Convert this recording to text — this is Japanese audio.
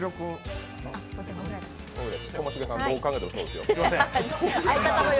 ともしげさん、どう考えても、そこですよ。